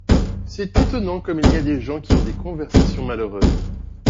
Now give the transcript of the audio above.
C’est étonnant comme il y a des gens qui ont des conversations malheureuses !